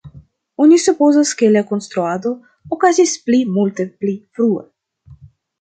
Oni supozas ke la konstruado okazis pli multe pli frue.